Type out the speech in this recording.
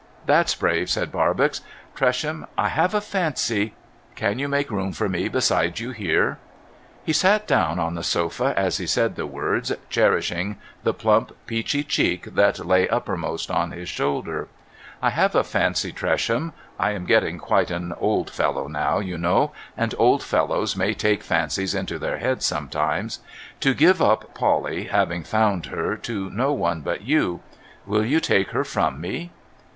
' That's brave,' said Barbox. ' Tresham, 1 have a fancy • Can you make room for me beside you here ?' He sat down on the sof;x as he said the words, cherishing the plump, peachy cheek that lay uppermost on his shoulder. ' I have a fancy, Tresham (I am getting quite an old fellow now, you know, and old fellows may take fancies into their heads some times), to give up Polly, having found her, to no one but you. Will you talc e her from me